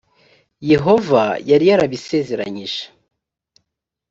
yehova yari yarabisezeranyije